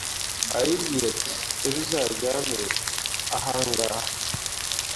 Arayibwira ati ejo uzaryame ahangaha